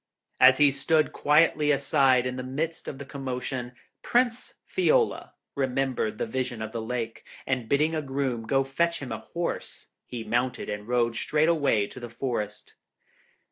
As he stood quietly aside in the midst of the commotion, Prince Fiola remembered the vision of the lake, and bidding a groom go fetch him a horse, he mounted and rode straightway to the forest.